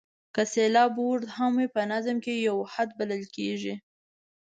که سېلاب اوږد هم وي په نظم کې یو واحد بلل کیږي.